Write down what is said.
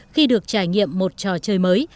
khi được trải nghiệm một trò chơi mới